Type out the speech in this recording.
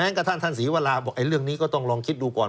กระทั่งท่านศรีวราบอกเรื่องนี้ก็ต้องลองคิดดูก่อน